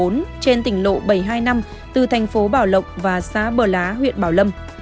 trên tỉnh lộ bảy mươi hai năm từ thành phố bảo lộc và xá bờ lá huyện bảo lâm